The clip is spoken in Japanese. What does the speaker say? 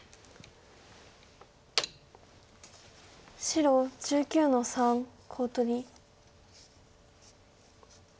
白１９の三コウ取り。